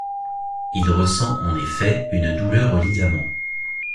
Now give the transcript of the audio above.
Il ressent en effet une douleur aux ligaments.